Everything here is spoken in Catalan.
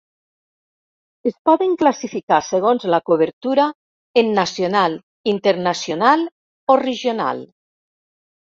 Es poden classificar segons la cobertura, en nacional, internacional o regional.